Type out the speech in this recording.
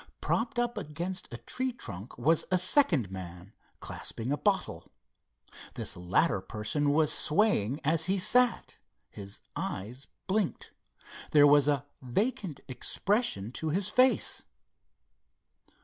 Propped up against a tree trunk was a second man, clasping a bottle. This latter person was swaying as he sat. His eyes blinked. There was a vacant expression to his face.